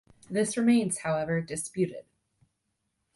This remains, however, disputed.